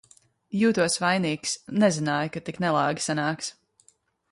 Jūtos vainīgs, nezināju, ka tik nelāgi sanāks!